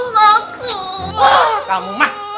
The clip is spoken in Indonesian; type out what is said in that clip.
bang kamu mah